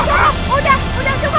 cukup udah udah cukup